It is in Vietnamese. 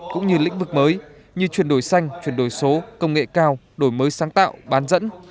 cũng như lĩnh vực mới như chuyển đổi xanh chuyển đổi số công nghệ cao đổi mới sáng tạo bán dẫn